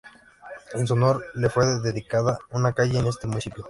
En su honor le fue dedicada una calle en este municipio.